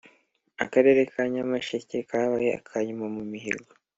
Akarere ka Nyamasheke kabaye akanyuma mu mihigo